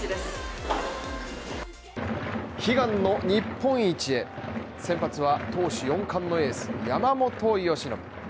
悲願の日本一へ、先発は投手４冠のエース山本由伸。